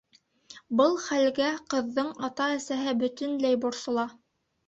Был хәлгә ҡыҙҙың ата-әсәһе бөтөнләй борсола.